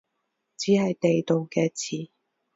只係地道嘅詞